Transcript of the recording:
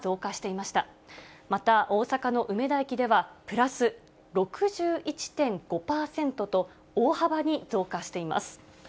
また大阪の梅田駅ではプラス６１．５％と、大幅に増加しています。